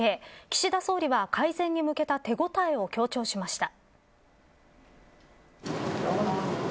岸田総理は改善に向けて手応えを強調しました。